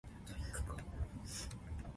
佇